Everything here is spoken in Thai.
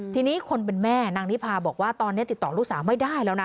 ทีนี้คนเป็นแม่นางนิพาบอกว่าตอนนี้ติดต่อลูกสาวไม่ได้แล้วนะ